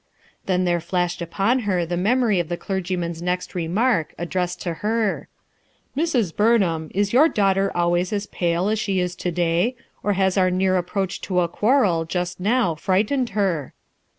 Then there flashed upon her the memory of the clergyman's next remark, addressed to her :— "Mrs, Burnham, is your daughter always as pale as she is to day, or has our near approach to a quarrel, just now, frightened her?"